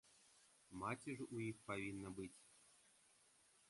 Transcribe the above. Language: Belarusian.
Маці ж у іх павінна быць.